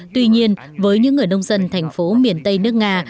tuy nhiên với những người nông dân thành phố miền tây nước nga